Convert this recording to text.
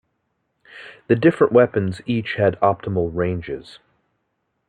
The different weapons each had optimal ranges.